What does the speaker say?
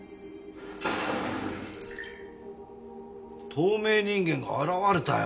透明人間が現れたよ。